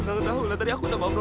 kau tak ada apa apa